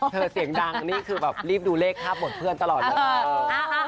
เสียงดังนี่คือแบบรีบดูเลขภาพบทเพื่อนตลอดเลย